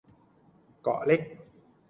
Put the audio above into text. เกาะเล็ก